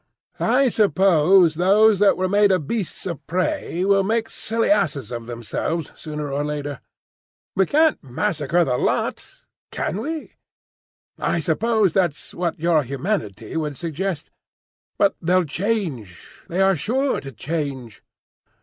I suppose those that were made of beasts of prey will make silly asses of themselves sooner or later. We can't massacre the lot—can we? I suppose that's what your humanity would suggest? But they'll change. They are sure to change."